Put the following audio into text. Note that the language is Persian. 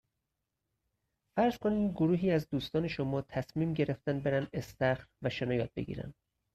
فرض کنین گروهی از دوستان شما تصمیم گرفتن برن استخر و شنا یاد بگیرن.